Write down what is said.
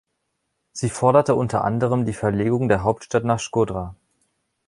Sie forderte unter anderem die Verlegung der Hauptstadt nach Shkodra.